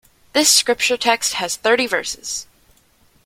This scripture text has thirty Verses.